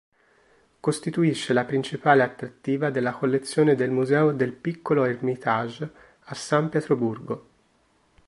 Costituisce la principale attrattiva della collezione del museo del Piccolo Ermitage a San Pietroburgo.